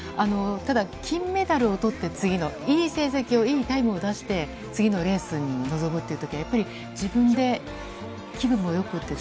ただ金メダルをとって、次の、いい成績を、いいタイムを出して、次のレースに臨むっていうときは、やっぱり、自分で気分もよくって？